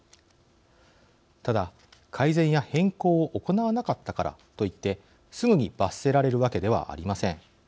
ただ、改善や変更を行わなかったからといってすぐに罰せられるわけではありません。